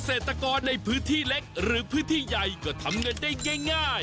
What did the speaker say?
เศรษฐกรในพื้นที่เล็กหรือพื้นที่ใหญ่ก็ทำเงินได้ง่าย